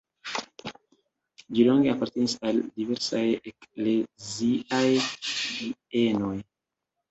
Ĝi longe apartenis al diversaj ekleziaj bienoj.